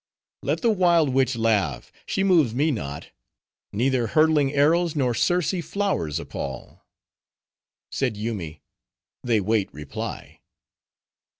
"Let the wild witch laugh. She moves me not. Neither hurtling arrows nor Circe flowers appall." Said Yoomy, "They wait reply."